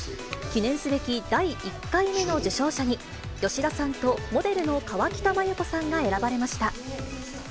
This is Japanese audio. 記念すべき第１回目の受賞者に、吉田さんとモデルの河北麻友子さんが選ばれました。